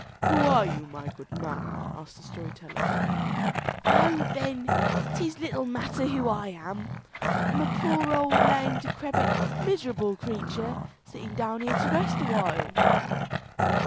"Who are you, my good man?" asked the story teller. "Oh, then, 'tis little matter who I am. I'm a poor, old, lame, decrepit, miserable creature, sitting down here to rest awhile."